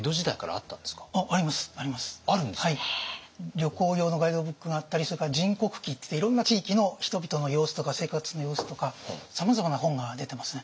旅行用のガイドブックがあったりそれから「人国記」っていっていろんな地域の人々の様子とか生活の様子とかさまざまな本が出てますね。